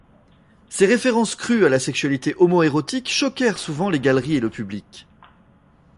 Ses références crues à la sexualité homo-érotique choquèrent souvent les galeries et le public.